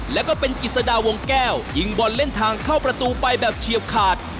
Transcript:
แล้วก็เป็นกิจสดาวงแก้วยิงบอลเล่นทางเข้าประตูไปแบบเฉียบขาด